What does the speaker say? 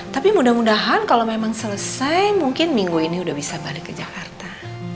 tapi mudah mudahan kalau memang selesai mungkin minggu ini udah bisa balik ke jakarta